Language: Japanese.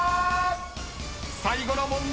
［最後の問題